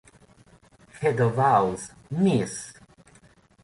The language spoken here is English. Head of House: Miss.